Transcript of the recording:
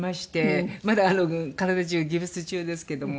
まだ体中ギプス中ですけども。